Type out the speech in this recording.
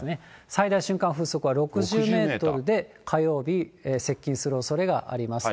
最大瞬間風速は６０メートルで、火曜日接近するおそれがあります。